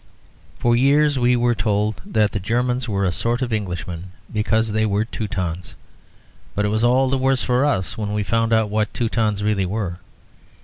For years we were told that the Germans were a sort of Englishman because they were Teutons; but it was all the worse for us when we found out what Teutons really were.